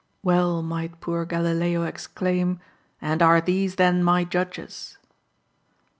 Well might poor Galileo exclaim, "And are these then my judges?"